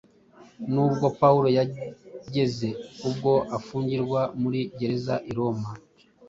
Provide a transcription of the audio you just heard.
Nubwo Pawulo yageze ubwo afungirwa muri gereza i Roma